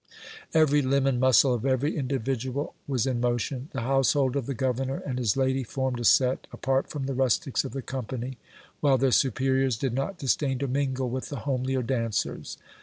Every limb and muscle of every individual was in motion : the household of the governor and his lady formed a set, apart from the rustics of the company, while their superiors did not disdain to mingle with the homelier dancers.